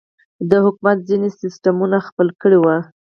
د حکومت ځينې سسټمونه خپل کړي وو.